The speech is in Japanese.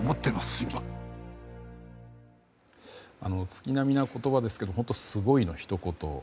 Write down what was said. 月並みな言葉ですけど本当にすごいのひと言。